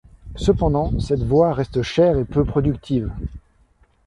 Cependant, cette voie reste chère et peu productive.